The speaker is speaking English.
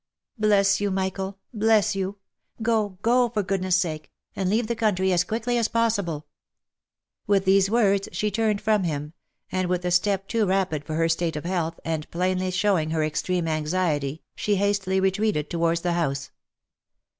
Bless you, Michael ! Bless you ! Go, go, for goodness sake, and leave the country as quickly as possible/' "With these words she turned from him, and with a step too rapid for her state of health, and plainly showing her extreme anxiety, she hastily retreated towards the house.